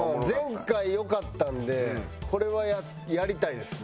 前回よかったんでこれはやりたいですね。